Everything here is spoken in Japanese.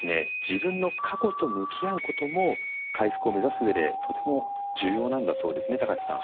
自分の過去と向き合うことも回復を目指す上でとても重要なんだそうですね高知さん。